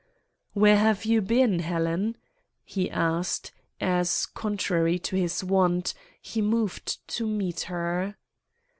"'Where have you been, Helen?' he asked, as, contrary to his wont, he moved to meet her.